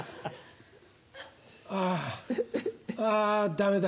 ああダメだ。